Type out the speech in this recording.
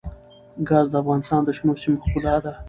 ګاز د افغانستان د شنو سیمو ښکلا ده.